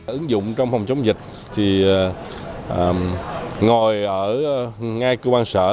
ứng dụng trong phòng chống dịch thì ngồi ở ngay cơ quan sở